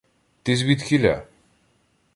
— Ти звідкіля?